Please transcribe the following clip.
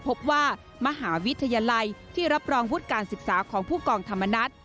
พบว่ามหาวิทยาลัยที่รับรองวุฒิการศึกษาของผู้กองธรรมนัฐ